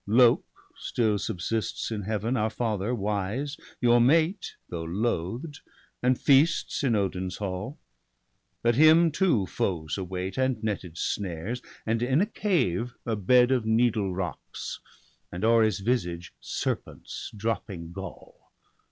Lok still subsists in Heaven, our father wise. Your mate, though loathed, and feasts in Odin's hall ; But him too foes await, and netted snares. And in a cave a bed of needle rocks, And o'er his visage serpents dropping gall.